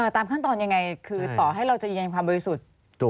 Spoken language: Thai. ตามขั้นตอนยังไงคือต่อให้เราจะยืนยันความบริสุทธิ์